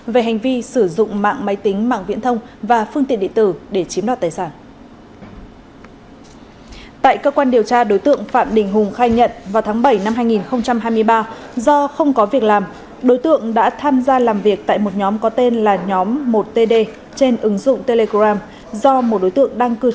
về hành vi sử dụng mạng máy tính mạng viễn thông và phương tiện địa tử để chiếm đoạt tài sản